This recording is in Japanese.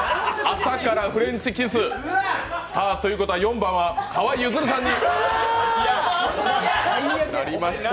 朝からフレンチキス。ということは４番は河井ゆずるさんになりました。